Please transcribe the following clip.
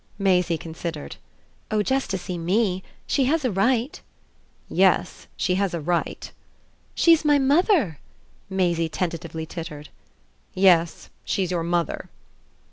Maisie considered. "Oh just to see ME. She has a right." "Yes she has a right." "She's my mother!" Maisie tentatively tittered. "Yes she's your mother."